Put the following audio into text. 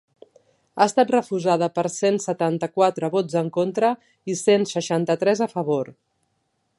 Ha estat refusada per cent setanta-quatre vots en contra i cent seixanta-tres a favor.